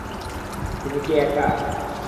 তুমি কি একা?